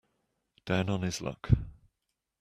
Down on his luck